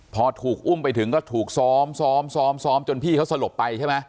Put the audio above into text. พอถูกอุ้มไปถึงก็ถูกซ้อมซ้อมซ้อมซ้อมจนพี่เขาสลบไปใช่ไหม